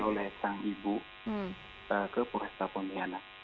oleh sang ibu ke pura setapun liana